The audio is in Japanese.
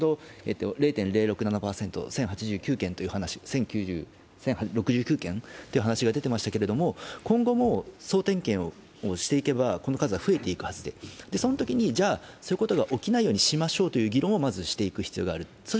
先ほど０．０６７％、１０６９件という話が出ていましたけども、今後も総点検をしていけばこの数は増えていくはずで、このときにじゃあそういうことが起きないようにしましょうという議論をしなくてはいけない。